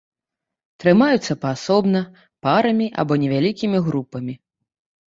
Трымаюцца паасобна, парамі або невялікімі групамі.